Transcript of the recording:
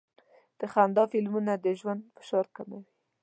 د خندا فلمونه د ژوند فشار کموي.